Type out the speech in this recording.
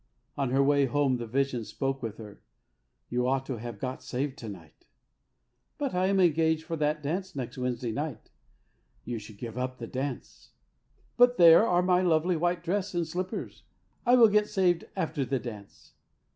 On her way home the vision spoke with her, " You ought to have got saved to night." " But I am engaged for that dance next Wednesday night." " You should give up the dance." " But there are my lovely white dress and slippers. I will get saved after the dance."